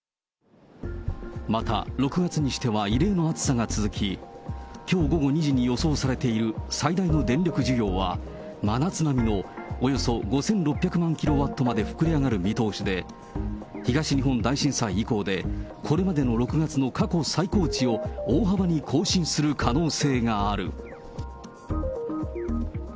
また、６月にしては異例の暑さが続き、きょう午後２時に予想されている最大の電力需要は、真夏並みのおよそ５６００万キロワットまで膨れ上がる見通しで、東日本大震災以降で、これまでの６月の過去最高値を大幅に更新する可能性がある。